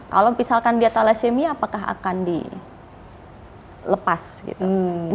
kalau misalkan dia thalassemia apakah akan dilepas gitu